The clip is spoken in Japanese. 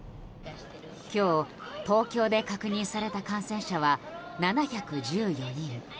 今日、東京で確認された感染者は７１４人。